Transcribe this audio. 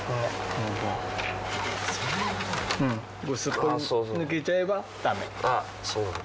スッと抜けちゃえばダメ。